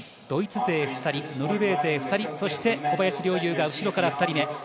ドイツ勢２人ノルウェー勢２人そして小林陵侑が後ろから２人目。